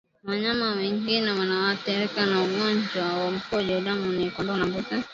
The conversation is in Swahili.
Wanyama wengine wanaoathirika na ugonjwa wa mkojo damu ni kondoo na mbuzi